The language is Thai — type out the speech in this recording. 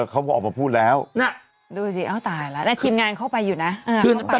เขาก็ออกมาพูดแล้วนะดูสิเอ้าตายแล้วทีมงานเข้าไปอยู่นะ